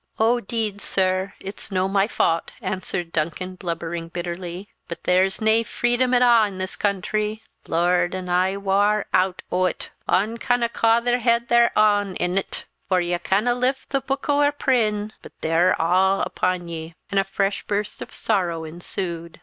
"Oh 'deed, sir, it's no' my faut!" answered Duncan, blubbering bitterly; "but there's nae freedom at a' in this country. Lord, an' I war oot o't! Ane canna ca' their head their ain in't; for ye canna lift the bouk o' a prin but they're a' upon ye." And a fresh burst of sorrow ensued.